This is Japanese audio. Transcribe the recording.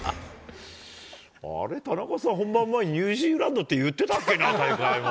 あれ、田中さん、本番前にニュージーランドって言ってたっけな、大会前。